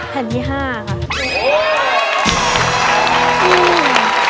แผ่นที่๕ค่ะ